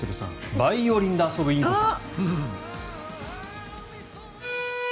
バイオリンで遊ぶインコさん。